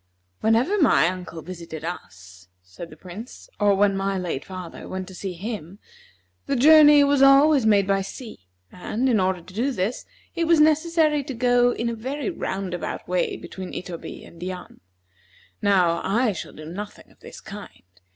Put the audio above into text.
"Whenever my uncle visited us," said the Prince, "or when my late father went to see him, the journey was always made by sea; and, in order to do this, it was necessary to go in a very roundabout way between Itoby and Yan. Now, I shall do nothing of this kind.